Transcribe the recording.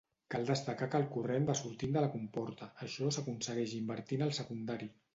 Cal destacar que el corrent va sortint de la comporta, això s'aconsegueix invertint el secundari.